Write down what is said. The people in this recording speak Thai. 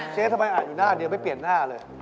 เจ๊ทำไมอ่านอยู่หน้าเดียวไม่เปลี่ยนหน้าเลย